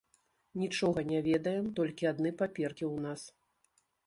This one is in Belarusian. Нічога не ведаем, толькі адны паперкі ў нас.